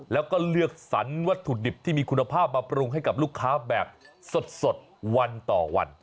แล้วก็เลือกสรรวัตถุดิบที่มีคุณภาพมาปรุงให้กับลูกค้าแบบสดวันต่อวัน